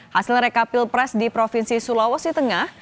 hasil rekapil pres di provinsi sulawesi tengah